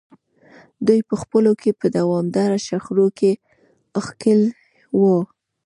دوی په خپلو کې په دوامداره شخړو کې ښکېل وو.